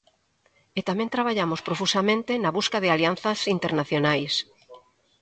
E tamén traballamos profusamente na busca de alianzas internacionais.